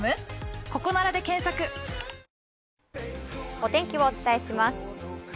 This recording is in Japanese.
お天気をお伝えします。